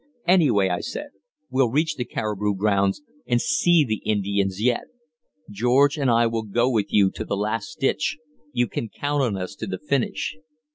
"Anyway," I said, "we'll reach the caribou grounds, and see the Indians yet. George and I will go with you to the last ditch; you can count on us to the finish."